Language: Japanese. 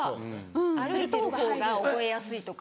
歩いてるほうが覚えやすいとか。